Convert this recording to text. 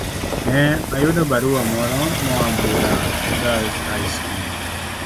Ne ayudo barua moro moa Bura Girls' High School.